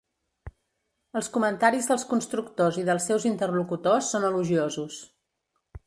Els comentaris dels constructors i dels seus interlocutors són elogiosos.